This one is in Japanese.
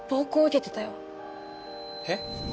えっ？